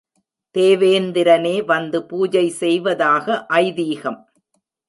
தேவேந்திரனே வந்து பூஜை செய்வதாக ஐதீகம்.